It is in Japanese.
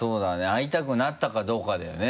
会いたくなったかどうかだよね